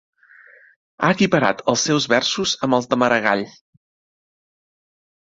Ha equiparat els seus versos amb els de Maragall.